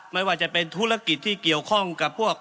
ไม่ว่าจะเป็นธุรกิจที่เกี่ยวข้องกับพวก